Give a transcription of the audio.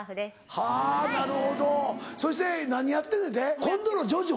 はぁなるほどそして何やってんねんて？今度の『ジョジョ』？